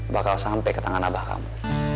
bakal sampai ke tangan abah kamu